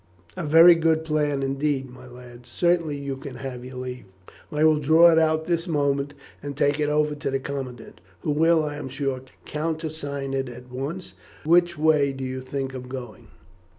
"A very good plan indeed, my lad. Certainly, you can have your leave. I will draw it out this moment, and take it over to the commandant, who will, I am sure, countersign it at once. Which way do you think of going?"